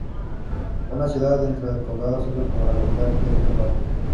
Una ciudad dentro del condado sirve como la capital de ese condado.